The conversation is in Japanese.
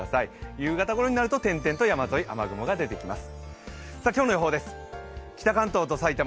夕方ごろになると点々と山沿い、雨雲が出てきます。